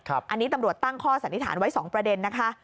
อันนี้ตำรวจตั้งข้อสันนิษฐานไว้๒ประเด็นนะคะ